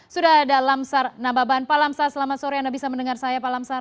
sudah ada lamsar nababan pak lamsar selamat sore anda bisa mendengar saya pak lamsar